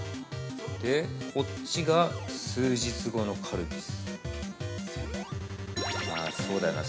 で、こっちが数日後のカルピス。